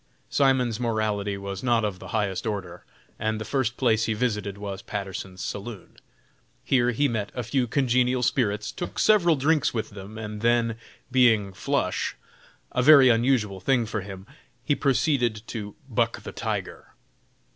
Simon's morality was not of the highest order, and the first place he visited was Patterson's saloon. Here he met a few congenial spirits, took several drinks with them, and then, being "flush," a very unusual thing for him he proceeded to "buck the tiger."